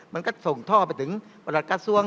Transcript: มันก็ส่งท่อไปถึงประหลัดกระทรวง